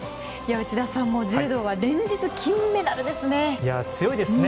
内田さん、柔道は連日、金メダルですね。